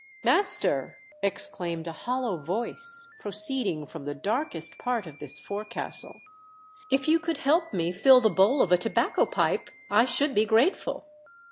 " Master," exclaimed a hollow voice, pro ceeding from the darkest part of this fore castle, "if you could help me fill the bowl of a tobacco pipe I should be grateful."